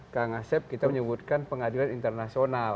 kang asep kita menyebutkan pengadilan internasional